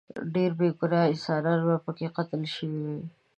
ډیر بې ګناه انسانان به پکې قتل شوي وي.